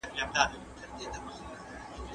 استازو به د قانون د حاکميت فرهنګ دود کړی وي.